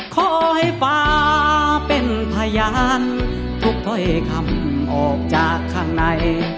ขอให้ฟ้าเป็นพยานทุกถ้อยคำออกจากข้างใน